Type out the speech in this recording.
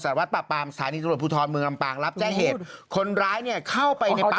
โอ๊ยขอบคุณค่ะ